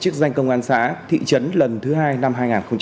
công an xã thị trấn lần thứ hai năm hai nghìn một mươi chín